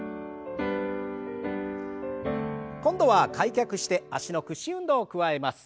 今度は開脚して脚の屈伸運動を加えます。